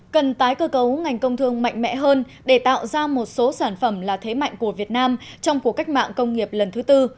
cần tái cơ cấu ngành công thương mạnh mẽ hơn để tạo ra một số sản phẩm là thế mạnh của việt nam trong cuộc cách mạng công nghiệp lần thứ tư